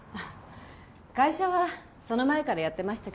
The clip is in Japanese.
会社はその前からやってましたけど。